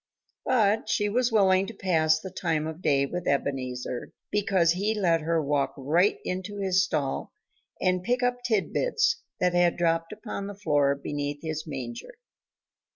But she was willing to pass the time of day with Ebenezer, because he let her walk right into his stall and pick up tidbits that had dropped upon the floor beneath his manger.